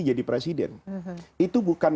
jadi presiden itu bukan